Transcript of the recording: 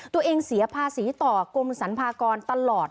ตัวเองเสียภาษีต่อกรมสันภากรตลอด